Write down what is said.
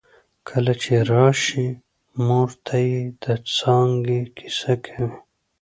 کله چې راشې مور ته يې د څانګې کیسه کوي